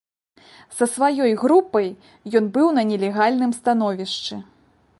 Са сваёй групай ён быў на нелегальным становішчы.